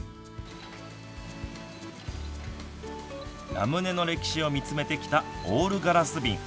ラムネの歴史を見つめてきたオールガラス瓶。